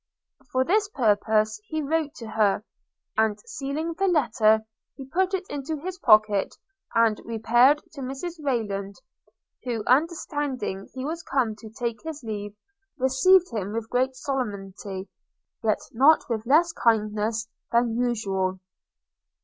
For this purposed he wrote to her; and sealing the letter, he put it into his pocket and repaired to Mrs Rayland; who, understanding he was come to take his leave, received him with great solemnity, yet not with less kindness than usual.